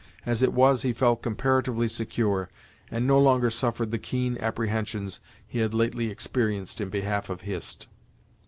As it was, he felt comparatively secure, and no longer suffered the keen apprehensions he had lately experienced in behalf of Hist.